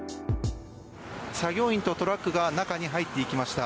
作業員とトラックが中に入っていきました。